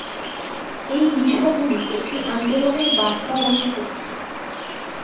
এই বিষয়গুলি একটি আন্দোলনের বার্তা বহন করেছিল।